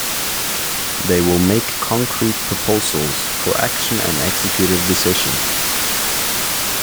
They will make concrete proposals for action and executive decision.